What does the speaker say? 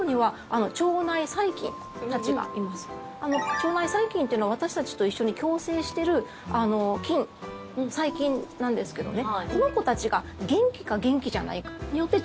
腸内細菌というのは私たちと共生している菌細菌なんですけどね。